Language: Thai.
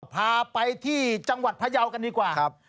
พาไปที่จังหวัดพยาวกันดีกว่า